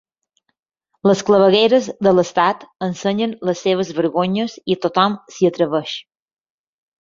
Les clavegueres de l’estat ensenyen les seves vergonyes i tothom s’hi atreveix.